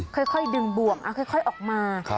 ค่อยดึงบ่วงเอาค่อยออกมา